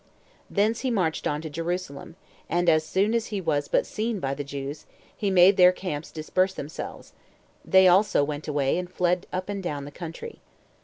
2. Thence he marched on to Jerusalem, and as soon as he was but seen by the Jews, he made their camps disperse themselves; they also went away, and fled up and down the country.